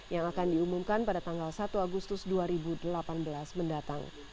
yang akan diumumkan pada tanggal satu agustus dua ribu delapan belas mendatang